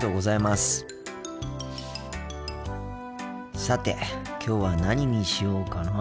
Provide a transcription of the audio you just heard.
さてきょうは何にしようかなあ。